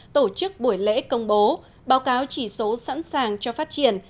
tổ chức buổi lễ công bố báo cáo chỉ số sẵn sàng cho phát triển